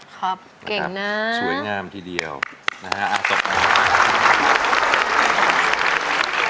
ครับเก่งนะสวยงามทีเดียวนะฮะอ่ะจบนะฮะ